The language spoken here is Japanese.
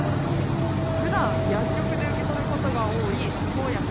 ふだん薬局で受け取ることが多い処方薬。